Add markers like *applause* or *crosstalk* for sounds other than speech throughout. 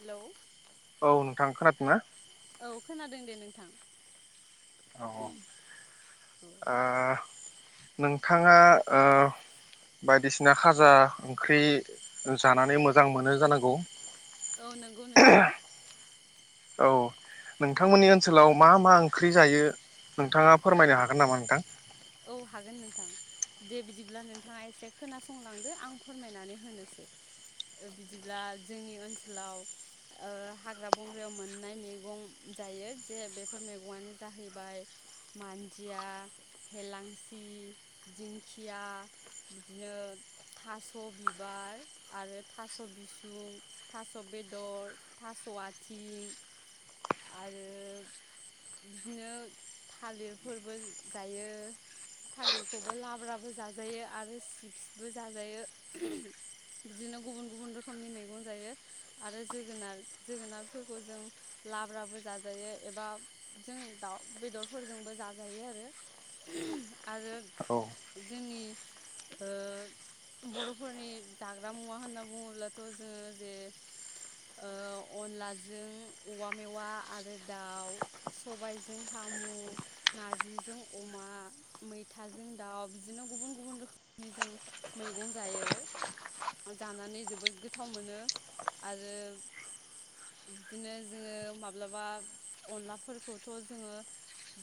Hello औ नोंथाङा खोनादोंना? औ खोनादों दे नोंथां। औ औ औ ओ नोंथाङा बायदिसिना खाजा ओंख्रि जानानै मोजां मोनो जानांगौ। औ नंगौ नोंथां औ नोंथांमोननि ओनसोलाव मा मा ओंख्रि जायो नोंथाङा फोरमायनो हागोन नामा नोंथां? औ हागोन नोंथां दे बिदिब्ला नोंथाङा एसे खोनासंलांदो आं फोरमायनानै होनोसै बिदिब्ला जोंनि ओनसोलाव हाग्रा बंग्रायाव मोननाय मैगं जायो जे बेफोर मैगङानो जाहैबाय मान्जिया हेलांसि दिंखिया बिदिनो थास' बिबार आरो थास' बिसुं थास' बेदर थास' आथिं आरो बिदिनो थालिरफोरबो जायो। थालिरखौबो लाब्राबो जाजायो आरो सिप्सबो जाजायो बिदिनो गुबुन गुबुन रोखोमनि मैगं जायो आरो जोगोनार जोगोनारफोरखौ जों लाब्राबो जाजायो एबा जों दाउ बेदरफोरजोंबो जाजायो आरो। आरो औ जोंनि बर'फोरनि दाग्रा मुवा होनना बुङोब्लाथ' जोङो जे अनलाजों औवा मेवा आरो दाउ सबायजों साम' नारजिजों अमा अमा मैथाजों दाउ बिदिनो गुबुन गुबुन रोखोमनि जों मैगं जायो जानानै जोबोोर गोथाव मोनो आरो बिदिनो जोङो माब्लाबा अनलाफोरखौथ' जोङो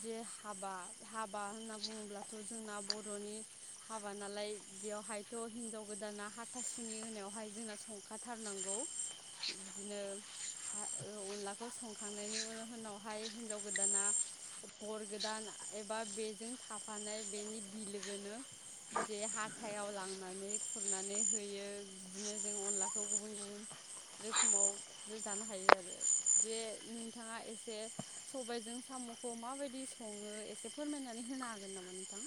जे हाबा हाबा होनना बुङोब्लाथ' जोंना बर'नि हाबा नालाय बेयावहायथ' हिनजाव गोदाना हाथासुनि होनायावहाय जोंना संखाथारनांगौ बिदिनो अनलाखौ संखांनायनि उनावहाय हिनजाव गोदाना हौवा गोदान एबा बेजों थाफानाय बेनि बिलोगोनो जे हाथायाव लांनानै खुरनानै होयो बिदिनो जों अनलाखौ गुबुन गुबुन रोखोमावबो जानो हायो आरो जे नोंथाङा एसे सबायजों साम'खौ माबायदि सङो? एसे फोरमायनानै होनो हागोन नामा नोंथां?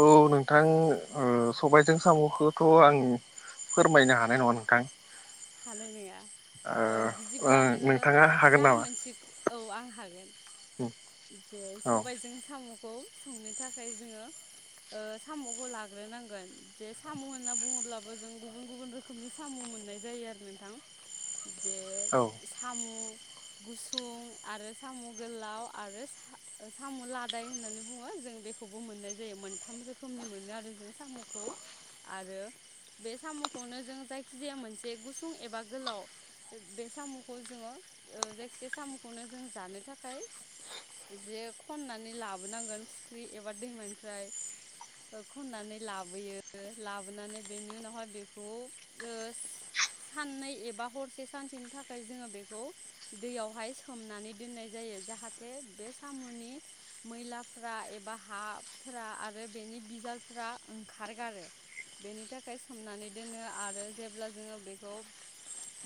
औ नोंथां सबायजों साम'खौथ' आं फोरमायनो हानाय नङा नोंथां। हानायनङा औ ओ बिदिब्ला नोङो नोंथाङा हागोन जा नामा मोनसे औ आं हागोन जे औ सबायजों साम' खौ संनो थाखाय जोङो साम'खौ लाग्रोनांगोन जे साम' होन्ना बुङोब्लाबो जों गुबुन गुबुन रोखोमनि साम' मोननाय जायो आरो। नोंथां जे औ साम' गुसुं आरो साम' गोलाव आरो साम' लादाय होननानै बुङो जों बेखौबो मोननाय जायो मोनथाम रोखोमनि मोनो आरो जों साम'खौ आरो बे साम'खौनो जों जायखि जाया मोनसे गु फुं एबा गोलाव बे साम'खौ जोङो जायखि साम'खौनो जों जानो थाखाय जे खननानै लाबोनांगोन फुख्रि एबा दैमानिफ्राय खननानै लाबोयो लाबोनानै बेनि उनावहाय बेखौ साननै एबा हरसे सानसेनि थाखाय जोङो बेखौ दैयावहाय सोमनानै दोननाय जायो जाहाथे बे साम'नि मैलाफ्रा एबा हाफोरा आरो बेनि बिजालफ्रा ओंखारगारो बेनि थाखाय सोमनानै दोनो आरो जेब्ला जोङो बे बेखौ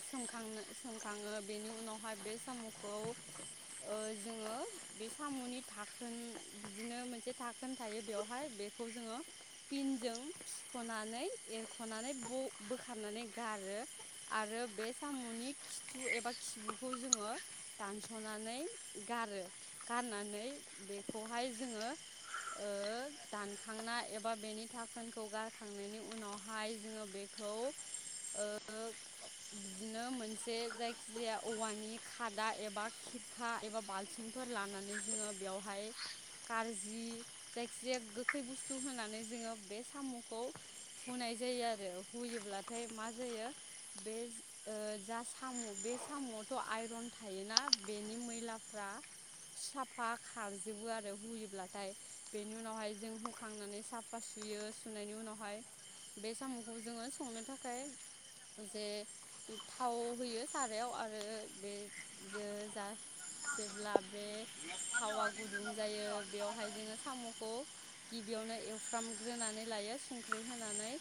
सोमखांनो सोमखाङो बेनि उनावहाय बे साम'खौ जोङो बे साम'नि थाखोन बिदिनो मोनसे थाखोन थायो बेवहाय बेखौ जोङो पिनजों थुख'नानै एरख'नानै ब बोखारनानै गारो आरो बे साम'नि खिथु एबा खिबुखौ जोङो दानस'नानै गारो गारनानै बेखौहाय जोङो दानखांना एबा बेनि थाखोनखौ गारखांनायनि उनावहाय जोङो बेखौ बिदिनो मोनसे जायखि जाया औवानि खादा एबा खिरखा एबा बाल्थिंफोर लानानै जोङो बेवहाय कारजि जायखि जाया गोखै बुस्थु होनानै जोङो बे साम'खौ हुाय जायो आरो हुयोब्लाथाय मा जायो। बे जा साम' बे साम'आवथ' आइरन थायोना बेनि मैलाफ्रा साफा खारजोबो आरो हुयोब्लाथाय बेनि उनावहाय जों हुखांनानै साफा सुयो सुनायनि उनावहाय बे साम'खौ जोङो संनो थाखाय जे थाव होयो सारायाव आरो बे जा जेब्ला बे थावा गुदुं जायो बेवहाय जोङो साम' गिबियावनो एवफ्रामग्रोनानै लायो संख्रि होनानै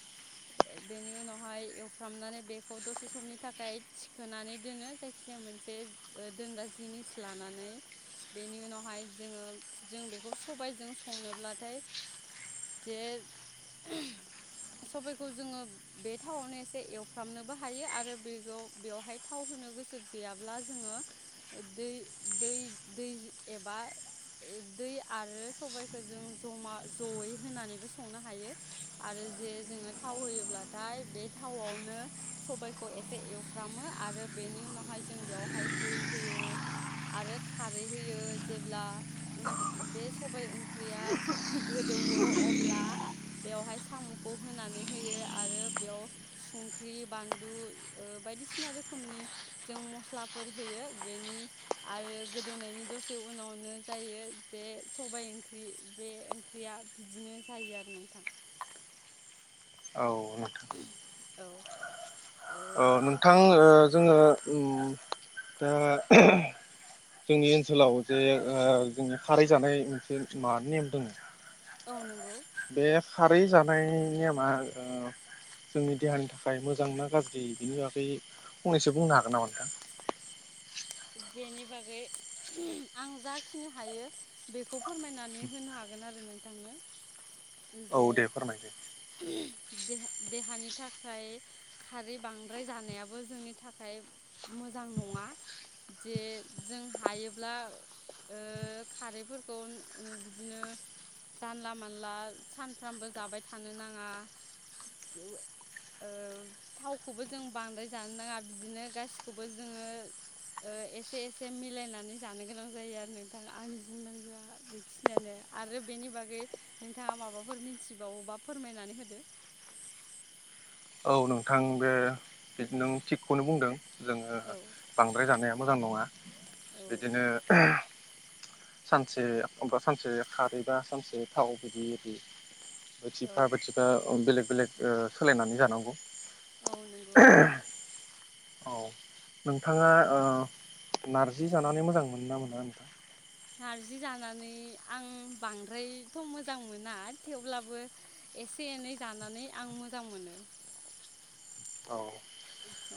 बेनि उनावहाय एवफ्रामनानै बेखौ दसे समनि थाखाय थिखोनानै दोनो जायखिजाया मोनसे दोनग्रा जिनिस लानानै बेनि उनावहाय जोङो जों बेखौ सबायजों संनोब्लाथाय जे सबबायखौ जोङो बे थावावनो एवफ्रामनोबो हायो आरो बेखौ बेवहाय थाव होनो गोसो गैयाब्ला जोङो दै एबा दै आरो सबायखौ जों जमा जयै होनानैबो संनो हायो आरो जे जोङो थाव होयोब्लाथाय बे थावआवनो सबायखौ एसे एवफ्रामो आरो बेनि उनावहाय जों बेवहाय दै होयो आरो खारै होयो जेब्ला बे सबाय ओंख्रिया गोदौयो अब्ला बेवहाय साम'खौ होनानै होयो आरो बेयाव संख्रि बानलु बायदिसिना रोखोमनि जों मस्लाफोर होयो बेनि आरो गोदौनायनि दसे उनावनो जायो जे सबायाइ ओंख्रि बे ओंख्रिया बिदिनो जायो आरो नोंथां औ *inaudible* औ ओ औ नोंथां जोङो दा जोंनि ओनसोलाव जे जोंनि खारै जानाय मोनसे मानि नेम दङ औ नंगौ बे खारै जानाय नेमा जोंनि देहानि थाखाय मोजां ना गाज्रि बिनि बागै फंनैसो बुंनो हागोन नामा नोंथां बेनि बागै आं जाखिनि हायो बेखौ फोरमायनानै होनो हागोन आरो नोंथांनो औ जे दे फोरमायदो देहानि थाखाय खारै बांद्राय जानायाबो जोंनि थाखाय मोजां नङा जे जों हायोब्ला ओ खारैफोरखौ बिदिनो जानला मानला सानफ्रामबो जाबाय थानो नाङा ओ थावखौबो जों बांद्राय जानो नाङा बिदिनो गासिखौबो जोङो ओ एसे एसे मिलायनानै जानो गोनां जायो आरो नोंथां आंनि बुंनांगौआ बेखिनियानो आरो बेनि बागै नोंथाङा माबाफोर मिथिबावोबा फोरमायनानै होदो औ नोंथां बे नों थिगखौनो बुंदों जोङो औ बांद्राय जानाया मोजां नङा औ बिदिनो सानसे मा सानसे खारैबा सानसे थाव बिदि बिदि बायथिफा औ बायथिफा बेलेग बेलेग ओ सोलायनानै जाना नांगौ औ नंगौ औ नोंथाङा नारजि जानानै मोजां मोनो ना मोना नोंथां? नारजि जानानै आं बांद्रायथ मोजां मोना थेवब्लाबो एसे एनै जानानै आं मोजां मोनो औ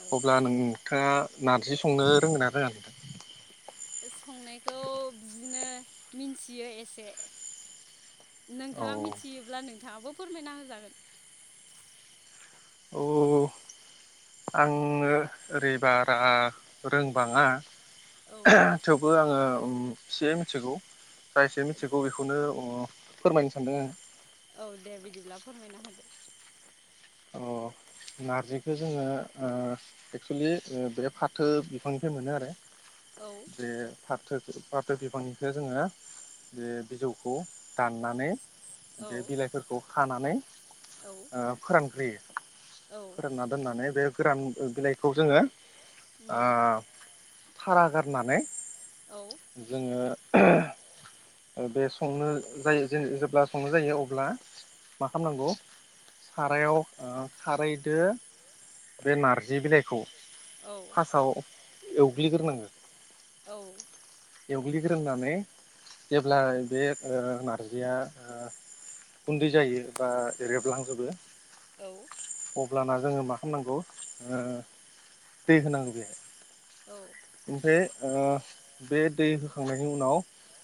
औ अब्ला नोंथाङा नारजि संनो रोंङोना रोङा? संनायखौ बिदिनो मिथियो एसे औ नोंथाङा मिथियोब्ला नोंथाङाबो फोरमायना होजागोन। आंङो ओरै बारा रोंबाङा। औ थेवबो आङो एसे मिथिगौ। जा एसे मिथिगौ बेखौनो अ फोरमायनो सानदों आं। औ दे बिदिब्ला फोरमायना होदो। अ नारजिखौ जोङो एक्सुलि बे फाथो बिफांनिफ्राय मोनो आरो औ बेे फा फाथो फाथो बिबांनिखौ जोङो बे बिजौखौ दाननानै औ बे बिलाइफोरखौ खानानै औ ओ फोरानग्रोयो औ फोरानना दोननानै बे गोरान बिलाइखौ जोङो ओ उम थारा गारनानै औ जोङो बे संनो जायो जे जेब्ला संनो जायो अब्ला मा खालामनांगौ सारायाव ओ खारै बे नारजि बिलाइखौ औ फासाव एवग्लिग्रोनाङो औ एवग्लिग्रोननानै जेब्ला बे ओ नारजिया ओ गुन्दै जायो बा रेबलांजोबो औ अब्लाना जोङो मा खालामनांगौ दै होनांगौ बेहाय ओमफ्राय दै होखांनायनि उनाव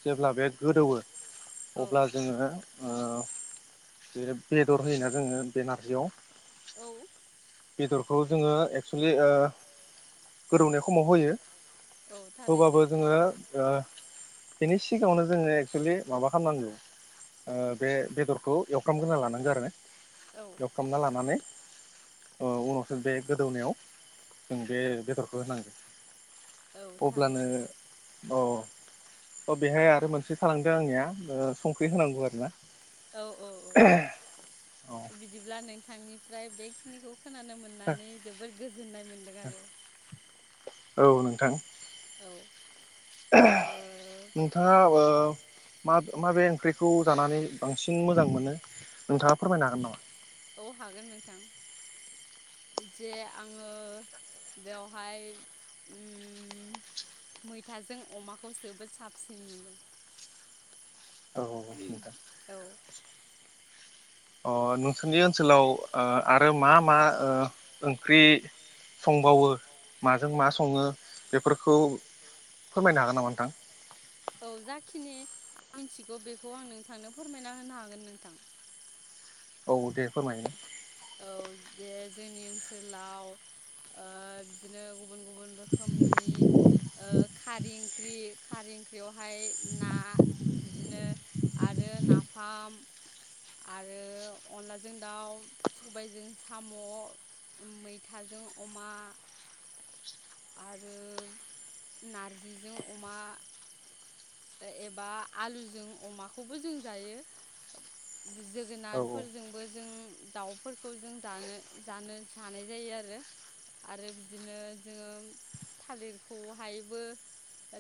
जेब्ला बे गोदौवो औ अब्ला जोङो बे बेदर होयोना जोङो बे नारजियाव औ बेदरखौ जोङो एक्सुलि ओ गोदौनाय खमाव होयो औ होबाबो थारैनो जोङो ओ बेनि सिगाङावनो जोङो एक्सुवेलि माबा खालामनांगौ ओ बे बेदरखौ एवफ्रामग्रोना लानांगौ आरो औ एवफ्रामना लानानै ओ उनावसो बे गोदौनायाव जों बे बेदरखौ होनांगोन औ थारैनो अ अ बेहाय आरो मोनसे थालांदों आंनिया संख्रि होनांगौ आरोना औ औ औ औ बिदिब्ला नोंथांनि बेखिनिखौ खोनानो मोननानै जोबोद गोजोननाय मोन्दों आरो औ नोंथां औ ओ नोंथाङा अबो म माबे ओंख्रिखौ जानानै बांसिन मोजां मोनो नोंथाङा फोरमायनो हागोन नामा औ हागोन नोंथां जे आङो बेवहाय मैथाजों अमाखौ जोबोद साबसिन मोनदों औ औ औ अ नोंसोरनि ओनसोलाव आरो मा मा ओंख्रि संबावो माजों मा सङो बेफोरखौ फोरमायनो हागोन नामा नोंथां औ जाखिनि आं मिथिगौ बेखौ आं नोंथांनो फोरमायना होनो हागोन नोंथां औ दे फोरमाय औ जे जोंनि ओनसोलाव बिदिनो गुबुन गुबुन रोखोमनि खारै ओंख्रि खारै ओं ख्रियावहाय ना बिदिनो आरो नाफाम आरो अनलाजों दाउ सबायजों साम' मैथाजों अमा आरो नारजिजों अमा एबा आलुजों अमाखौबो जों जायो औ जोगोनारफोरजोंबो जों दाउफोरखौ जों जानो जानो जानाय जायो आरो आरो बिदिनो जोङो थालिरखौहायबो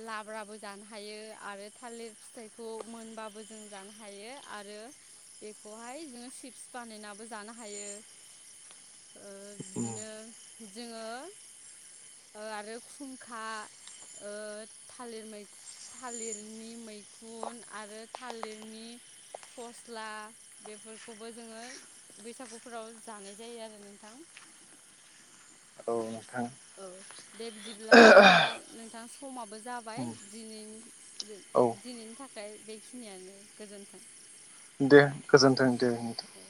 लाब्राबो जानो हायो आरो थालिर फिथाइखौ मोनबाबो जों जानो हायो आरो बेखौहाय जोङो चिपस बानायनाबो जानो हायो उम बिदिनो जोङो आरो खुंखा ओ थालिर मैं थालिरनि मैखुन आरो थालिरनि फस्ला बेफोरखौबो जोङो बैसागुफोराव जानाय जायो आरो नोंथां औ नोंथां औ दे बिदिब्ला जोंना नोंथां समाबो जाबाय उम दिनै औ दिनैनि थाखाय बेखिनियानो गोजोन्थों दे गोजोन्थों दे नोंथां औ